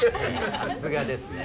さすがですね。